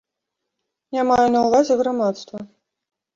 Я маю на ўвазе грамадства.